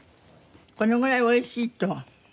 このぐらい美味しいと。